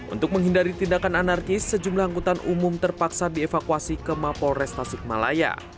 untuk menghindari tindakan anarkis sejumlah angkutan umum terpaksa dievakuasi ke mapol restasi malaya